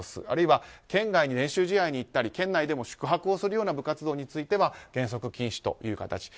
あるいは県外に練習試合に行ったり県内でも宿泊をするような部活動については原則禁止という形。